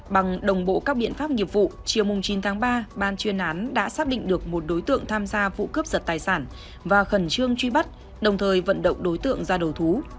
bằng đồng bộ các biện pháp nghiệp vụ chiều chín tháng ba ban chuyên án đã xác định được một đối tượng tham gia vụ cướp giật tài sản và khẩn trương truy bắt đồng thời vận động đối tượng ra đầu thú